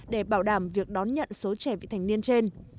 để bảo đảm việc đón nhận số trẻ vị thành niên trên